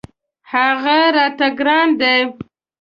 هغه راته ګران دی.